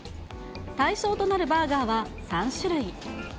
対象となるバーガーは３種類。